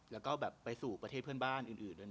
แล้วก็แบบไปสู่ประเทศเพื่อนบ้านอื่นด้วยนะ